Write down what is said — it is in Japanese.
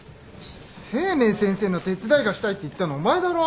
清明先生の手伝いがしたいって言ったのお前だろ？